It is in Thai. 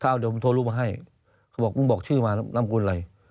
ถ้าเอาเดี๋ยวผมโทรลูกมาให้เขาบอกบุ้งบอกชื่อมาน้ำกูลอะไร